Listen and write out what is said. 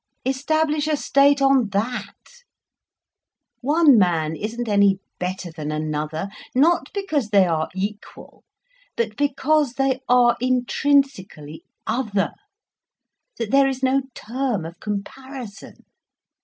Establish a state on that. One man isn't any better than another, not because they are equal, but because they are intrinsically other, that there is no term of comparison.